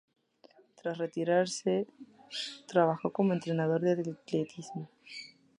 Tras retirarse trabajó como entrenador de atletismo.